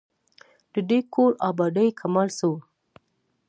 د دې کور آبادۍ کمال څه وو.